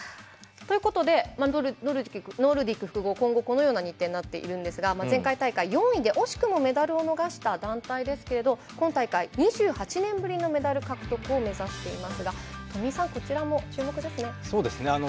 ということでノルディック複合今後このような日程になっているんですが前回大会４位で惜しくもメダルを逃した団体ですが、今大会２８年ぶりのメダル獲得を目指していますが富井さん、こちらも注目ですね。